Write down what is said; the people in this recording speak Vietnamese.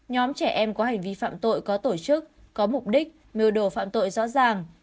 nhóm trẻ em có hành vi phạm tội có tổ chức có mục đích mưu đồ phạm tội rõ ràng